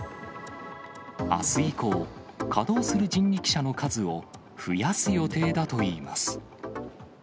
あす以降、稼働する人力車の数を、増やす予定だといいます。